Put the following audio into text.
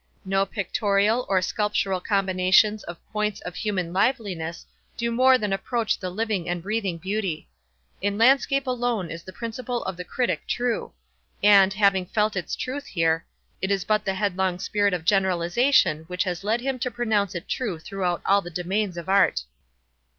No pictorial or sculptural combinations of points of human liveliness do more than approach the living and breathing beauty. In landscape alone is the principle of the critic true; and, having felt its truth here, it is but the headlong spirit of generalization which has led him to pronounce it true throughout all the domains of art.